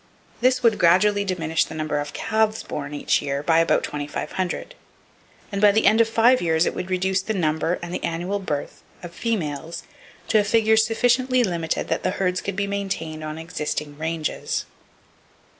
This would gradually diminish the number of calves born each year, by about 2,500, and by the end of five years it would reduce the number, and the annual birth, of females to a figure sufficiently limited that the herds could be maintained on existing ranges.